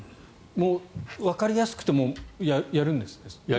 わかりやすくてもやるんですね。